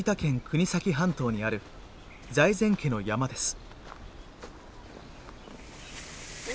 国東半島にある財前家の山です。